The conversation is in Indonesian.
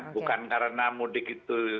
bukan karena mudik itu